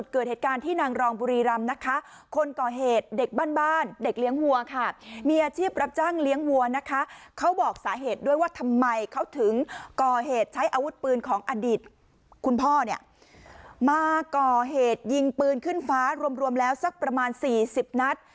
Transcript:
คุณพ่อเนี่ยมาก่อเหตุยิงปืนขึ้นฟ้ารวมแล้วสักประมาณ๔๐นัด